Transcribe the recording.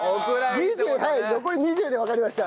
２０残り２０でわかりました。